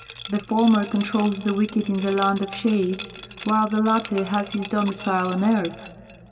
The former controls the wicked in the land of shades, while the latter has his domicile on earth.